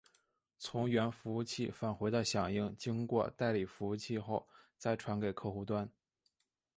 从源服务器返回的响应经过代理服务器后再传给客户端。